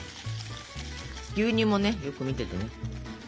牛乳もねよく見ててね。